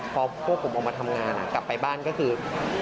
พอพวกผมออกมาทำงานกลับไปบ้านก็คือ